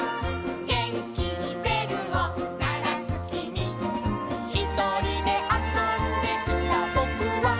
「げんきにべるをならすきみ」「ひとりであそんでいたぼくは」